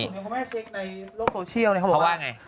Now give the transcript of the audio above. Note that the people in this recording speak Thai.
แต่ล่ะส่วนใหญ่ของแม่เซ็กในโลกโทเชียลเขาบอกว่า